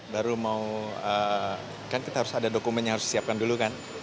baru mau kan kita harus ada dokumen yang harus disiapkan dulu kan